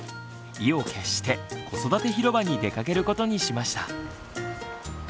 意を決して子育て広場に出かけることにしました。